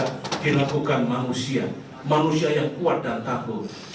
sampai batas yang bisa dilakukan manusia manusia yang kuat dan tahu